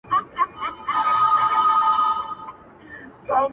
له شاتو نه. دا له شرابو نه شکَري غواړي.